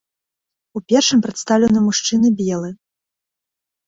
У першым прадстаўлены мужчына белы.